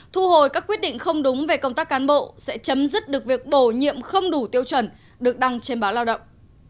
thu hồi các quyết định không đúng về công tác cán bộ sẽ chấm dứt được việc bổ nhiệm không đủ tiêu chuẩn được đăng trên báo lao động